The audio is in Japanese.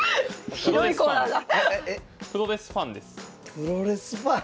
プロレスファン？